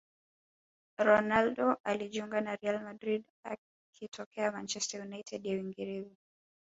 ronaldo alijiunga na real madrid akitokea manchester united ya uingereza